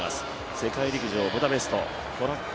世界陸上ブダペスト、トラック